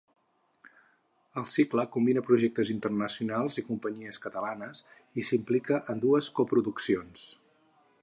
El cicle combina projectes internacionals i companyies catalanes i s’implica en dues coproduccions.